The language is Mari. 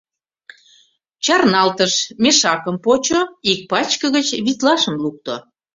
Чарналтыш, мешакым почо, ик пачке гыч витлашым лукто.